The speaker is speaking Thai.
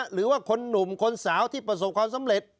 หรือว่าคนหนุ่มคนสาวที่ประสบความสำเร็จ